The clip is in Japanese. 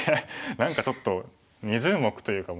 何かちょっと２０目というか